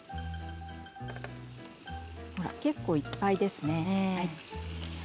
結構いっぱいですね。